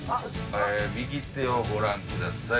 右手をご覧ください。